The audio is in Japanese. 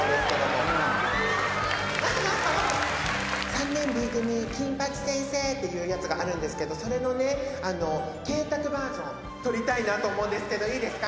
「“３年Ｂ組金八先生！”っていうやつがあるんですけどそれのね恵拓バージョン撮りたいなと思うんですけどいいですか？